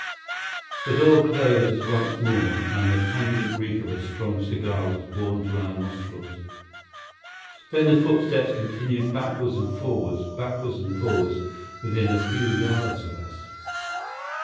The door closed once more, and the pungent reek of a strong cigar was borne to our nostrils. Then the footsteps continued backwards and forwards, backwards and forwards, within a few yards of us.